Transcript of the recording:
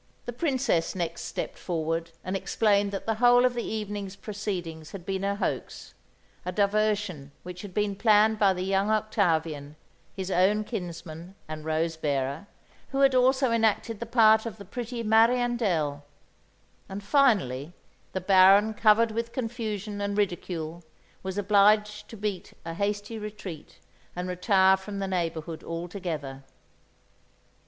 The Princess next stepped forward and explained that the whole of the evening's proceedings had been a hoax a diversion which had been planned by the young Octavian, his own kinsman and rose bearer, who had also enacted the part of the pretty "Mariandel"; and finally, the Baron, covered with confusion and ridicule, was obliged to beat a hasty retreat and retire from the neighbourhood altogether.